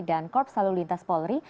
dan korps salur lintas polri